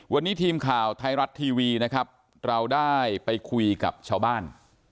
วันนี้ทีมข่าวไทยรัฐทีวีนะครับเราได้ไปคุยกับชาวบ้าน